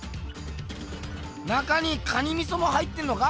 中に蟹みそも入ってんのか？